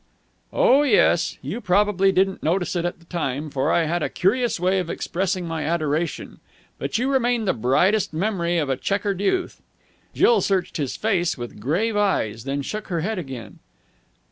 "Oh, yes. You probably didn't notice it at the time, for I had a curious way of expressing my adoration. But you remain the brightest memory of a chequered youth." Jill searched his face with grave eyes, then shook her head again.